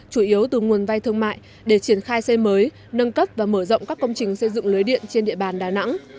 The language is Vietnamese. chủ yếu từ nguồn vai thương mại để triển khai xây mới nâng cấp và mở rộng các công trình xây dựng lưới điện trên địa bàn đà nẵng